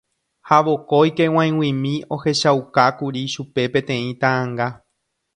ha vokóike g̃uaig̃uimi ohechaukákuri chupe peteĩ ta'ãnga